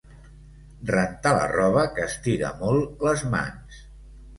Rentar la roba castiga molt les mans.